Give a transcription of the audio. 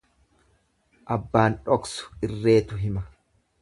Abbaan dhoksu irreetu hima.